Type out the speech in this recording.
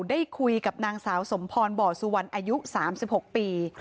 ได้คุยกับนางสาวสมพรบ่อสุวรรณอายุ๓๖ปี